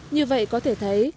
như vậy có thể thấy